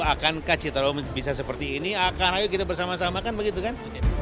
akankah citarum bisa seperti ini akan ayo kita bersama sama kan begitu kan